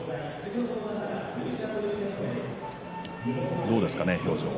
どうですかね、表情は。